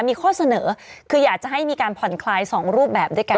มีข้อเสนอคืออยากจะให้มีการผ่อนคลาย๒รูปแบบด้วยกัน